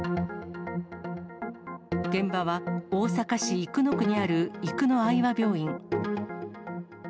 現場は、大阪市生野区にある生野愛和病院。